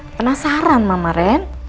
penasaran mama ren